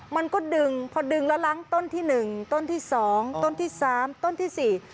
มันก็ดึงพอดึงแล้วล้างต้นที่๑ต้นที่๒ต้นที่๓ต้นที่๔